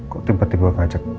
kok timpetin gua ke aja